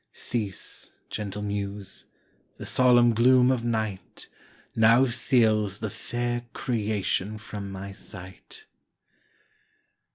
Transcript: Cease, gentle muse! the solemn gloom of night Now seals the fair creation from my sight.